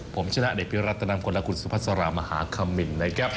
ผมชนะได้พิวรัตนำคนละคุณสุภาษระมหาคมิณ